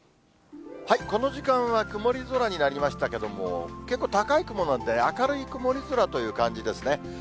この時間は曇り空になりましたけれども、結構高い雲なんで、明るい曇り空という感じですね。